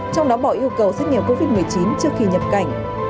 trong đó bỏ yêu cầu xét nghiệm covid một mươi chín trước khi nhập cảnh